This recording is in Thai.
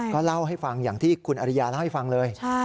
ก็เล่าให้ฟังอย่างที่คุณอริยาเล่าให้ฟังเลย